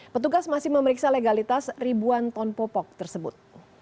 petugas masih memeriksa legalitas ribuan ton popok tersebut